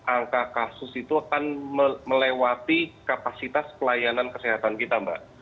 angka kasus itu akan melewati kapasitas pelayanan kesehatan kita mbak